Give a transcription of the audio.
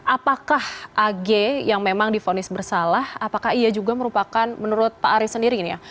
apakah ag yang memang difonis bersalah apakah ia juga merupakan menurut pak aris sendiri ini ya